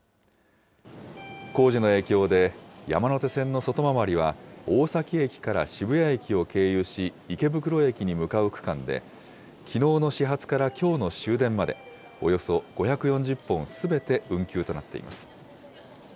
工事の影響で、山手線の外回りは、大崎駅から渋谷駅を経由し池袋駅に向かう区間で、きのうの始発からきょうの終電まで、およそ５４０本すべて運休となっています。